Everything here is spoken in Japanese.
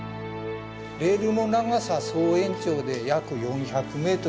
レールの長さ総延長で約４００ｍあるんですね。